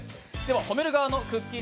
褒める側のくっきー！